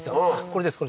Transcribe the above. これです